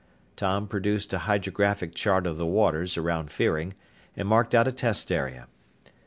Tom produced a hydrographic chart of the waters around Fearing and marked out a test area.